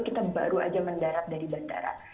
kita baru aja mendarat dari bandara